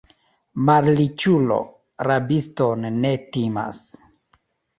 Malriĉulo rabiston ne timas.